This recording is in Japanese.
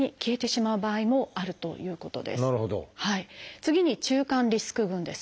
次に中間リスク群です。